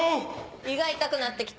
胃が痛くなってきた。